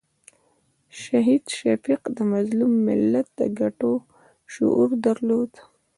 شهید شفیق د مظلوم ملت د ګټو شعور درلود.